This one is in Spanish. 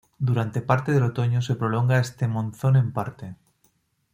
Durante parte del otoño se prolonga este monzón en parte.